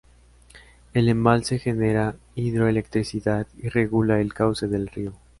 El embalse genera hidroelectricidad y regula el cauce del río.